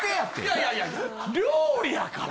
いやいや料理やから。